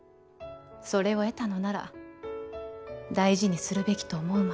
それを得たのなら大事にするべきと思うまで。